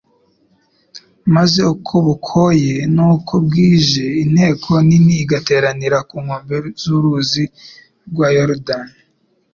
maze uko bukoye nuko bwije inteko nini igateranira ku nkombe z'uruzi rwa Yorodani'.